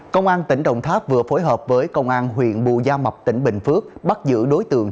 công an tỉnh đồng tháp vừa phối hợp với công an huyện bù gia mập tỉnh bình phước bắt giữ đối tượng